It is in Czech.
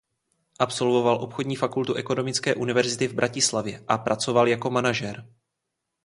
Absolvoval Obchodní fakultu Ekonomické univerzity v Bratislavě a pracoval jako manažer.